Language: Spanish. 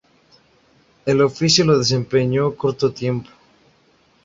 El oficio lo desempeñó corto tiempo.